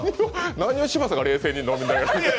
何を嶋佐が冷静に飲みながら。